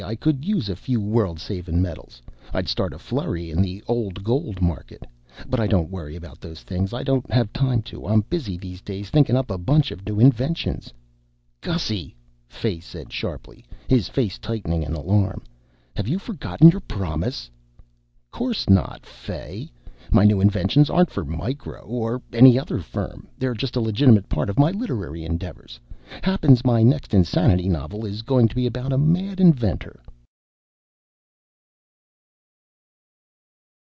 I could use a few world savin' medals. I'd start a flurry in the old gold market. But I don't worry about those things. I don't have time to. I'm busy these days thinkin' up a bunch of new inventions." "Gussy!" Fay said sharply, his face tightening in alarm, "Have you forgotten your promise?" "'Course not, Fay. My new inventions aren't for Micro or any other firm. They're just a legitimate part of my literary endeavors. Happens my next insanity novel is goin' to be about a mad inventor."